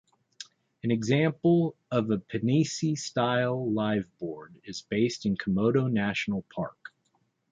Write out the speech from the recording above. An example of a pinisi style liveaboard is based in Komodo National Park.